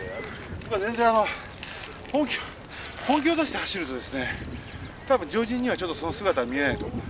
全然あの本気本気を出して走るとですね多分常人にはちょっとその姿は見えないと思う。